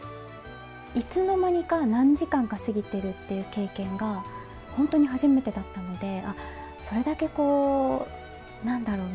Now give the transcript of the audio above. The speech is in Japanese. いつの間にか何時間か過ぎてるっていう経験がほんとに初めてだったのでそれだけこう何だろう